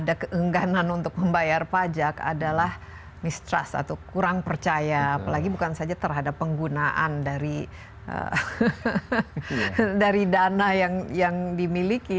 ada keengganan untuk membayar pajak adalah mistrust atau kurang percaya apalagi bukan saja terhadap penggunaan dari dana yang dimiliki